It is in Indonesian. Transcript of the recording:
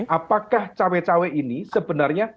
apakah cawe cawe ini sebenarnya